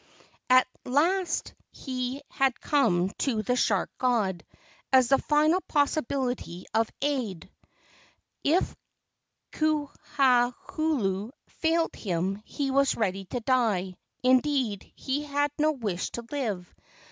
At last he had come to the shark god—as the final possibility of aid. If Kauhuhu failed him, he was ready to die; indeed he had no wish to live.